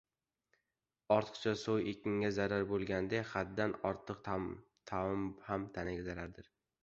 Ortiqcha suv ekinga zarar bo‘lganiday, haddan ortiq taom ham tanaga zarardir.